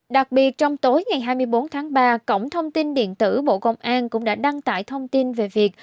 đặc biệt trong tối ngày hai mươi bốn tháng ba cổng thông tin điện tử bộ công an cũng đã đăng tải thông tin về việc